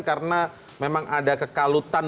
karena memang ada kekalutan